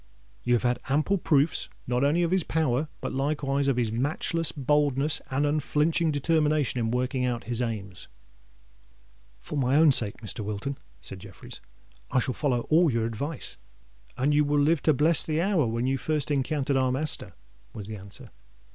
You have had ample proofs not only of his power, but likewise of his matchless boldness and unflinching determination in working out his aims." "For my own sake, Mr. Wilton," said Jeffreys, "I shall follow all your advice." "And you will live to bless the hour when you first encountered our master," was the answer.